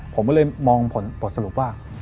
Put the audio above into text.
ผมก็เลยมองบทสรุปว่า